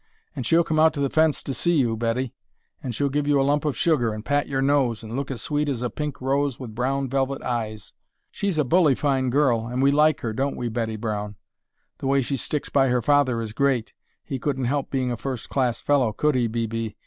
And she'll come out to the fence to see you, Betty; and she'll give you a lump of sugar, and pat your nose, and look as sweet as a pink rose with brown velvet eyes. She's a bully fine girl and we like her, don't we, Betty Brown? The way she sticks by her father is great; he couldn't help being a first class fellow, could he, B. B.